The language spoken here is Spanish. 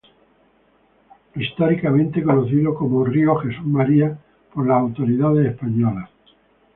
Históricamente conocido como río Jesús María, por las autoridades españolas.